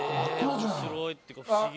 面白いっていうか不思議。